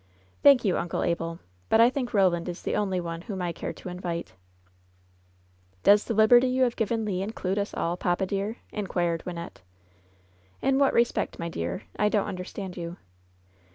"Thank you. Uncle Abel ; but I think Eoland is the only one whom I care to invite," "Does the liberty you have given Le include us all, papa, dear ?" inquired Wynnette. "In what respect, my dear ? I don't understand you."